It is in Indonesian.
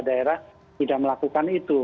daerah tidak melakukan itu